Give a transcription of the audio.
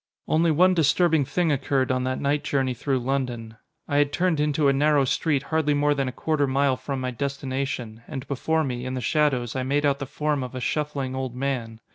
Only one disturbing thing occurred on that night journey through London. I had turned into a narrow street hardly more than a quarter mile from my destination; and before me, in the shadows, I made out the form of a shuffling old man.